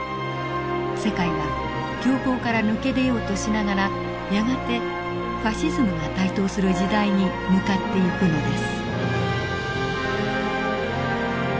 世界は恐慌から抜け出ようとしながらやがてファシズムが台頭する時代に向かっていくのです。